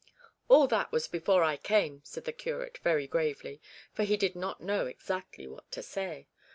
'All that was before I came,' said the curate very gravely, for he did not know exactly what to say.